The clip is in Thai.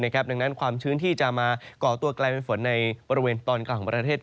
ดังนั้นความชื้นที่จะมาก่อตัวกลายเป็นฝนในบริเวณตอนกลางของประเทศ